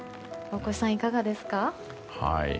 大越さん、いかがですか？